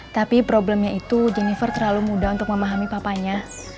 tapi problemnya itu jennifer terlalu mudah untuk memahami papanya